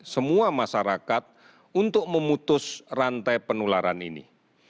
semua masyarakat untuk memutus rantai penularan ini